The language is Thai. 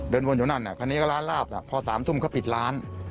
วนอยู่นั่นคราวนี้ก็ร้านลาบพอ๓ทุ่มเขาปิดร้าน